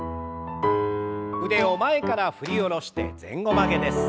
腕を前から振り下ろして前後曲げです。